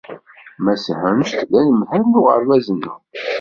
Mass Hunt d anemhal n uɣebaz-nneɣ.